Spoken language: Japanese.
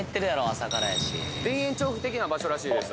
朝からやし田園調布的な場所らしいです